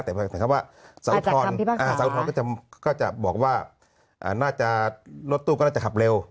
แต่ว่าสาวอุทธรณ์ก็จะบอกว่ารถตู้ก็น่าจะขับเร็ว